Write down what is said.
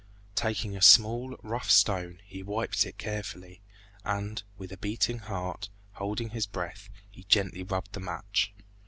Taking a small, rough stone, he wiped it carefully, and with a beating heart, holding his breath, he gently rubbed the match.